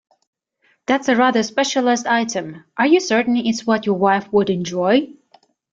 That's a rather specialised item, are you certain it's what your wife would enjoy?